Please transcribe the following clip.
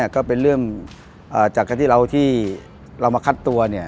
ก็เป็นเรื่องจากการที่เรามาคัดตัว